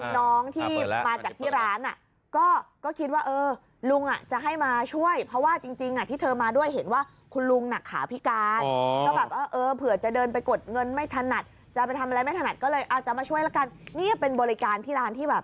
มายังไงร้านก็ก็คิดว่าเออลุงอ่ะจะให้มาช่วยเพราะว่าจริงจริงอ่ะที่เธอมาด้วยเห็นว่าคุณลุงนักขาวพิการ